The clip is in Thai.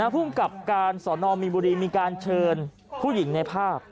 ภูมิกับการสอนอมมีนบุรีมีการเชิญผู้หญิงในภาพ